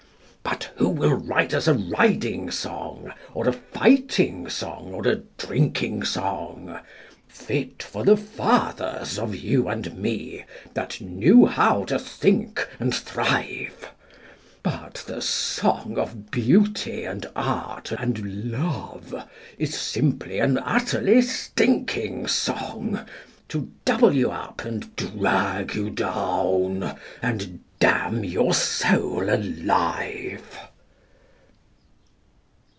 But who will write us a riding song Or a fighting song or a drinking song, Fit for the fathers of you and me, That knew how to think and thrive? But the song of Beauty and Art and Love Is simply an utterly stinking song, To double you up and drag you down And damn your soul alive.